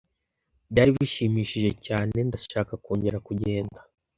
Byari bishimishije cyane! Ndashaka kongera kugenda.